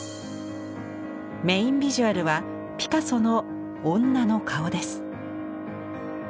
メインビジュアルはピカソの「女の顔」です。